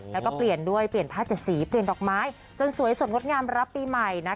แล้วก็เปลี่ยนด้วยเปลี่ยนผ้าเจ็ดสีเปลี่ยนดอกไม้จนสวยสดงดงามรับปีใหม่